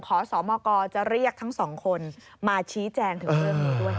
ขอสอบมอกรจะเรียกทั้งสองคนมาชี้แจงถึงเวิมนี้ด้วย